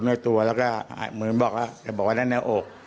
แล้วก็เหมือนบอกนะบอกว่านั่นเนื้ออก